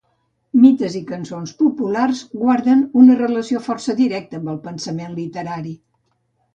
Mites i cançons populars guarden una relació força directa amb el pensament literari.